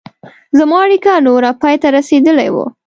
زما اړیکه نوره پای ته رسېدلې وه.